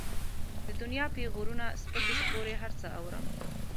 د دنيا پېغورونه، سپکې سپورې هر څه اورم.